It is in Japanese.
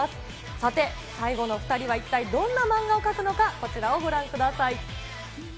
さて、最後の２人は一体どんな漫画を描くのか、こちらをご覧ください。